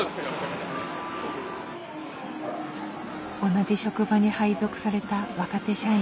同じ職場に配属された若手社員。